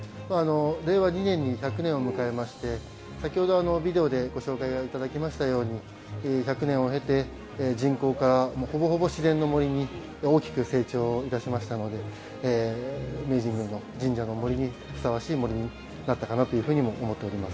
令和２年に１００年を迎えまして先ほど、ビデオでご紹介いただきましたように１００年を経て人工からほぼほぼ自然の杜に大きく成長いたしましたので明治神宮の神社の杜にふさわしい杜になったと思います。